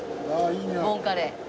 ボンカレー。